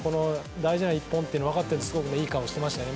大事な一本っていうのわかっててすごくねいい顔してましたね